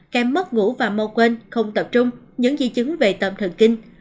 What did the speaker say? kém mất ngủ và mơ quên không tập trung những di chứng về tâm thần kinh